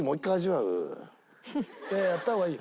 いややった方がいい。